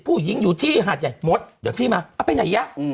ผู้หญิงอยู่ที่หาดใหญ่มดเดี๋ยวพี่มาเอาไปไหนยะ